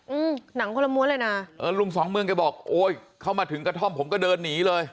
อืมหนังคนละม้วนเลยนะเออลุงสองเมืองแกบอกโอ้ยเข้ามาถึงกระท่อมผมก็เดินหนีเลย